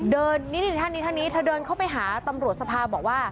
เดินนิดหนึ่งทางนี้ถ้าเดินเข้าไปหาตำรวจสภาบอกว่า